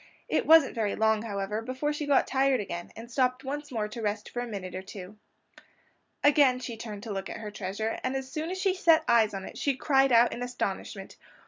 It wasn't very long, however, before she got tired again and stopped once more to rest for a minute or two. Again she turned to look at her treasure, and as soon as she set eyes on it she cried out in astonishment.